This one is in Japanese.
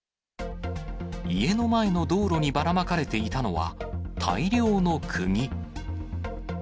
家の前の道路にばらまかれていたのは大量のくぎ。